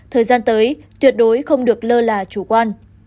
thời gian tới tuyệt đối không được lơ là chủ quan